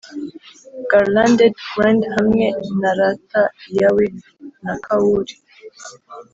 garlanded grand hamwe na rata yawe na kauri,